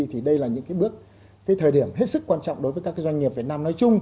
thì đây là những bước thời điểm hết sức quan trọng đối với các doanh nghiệp việt nam nói chung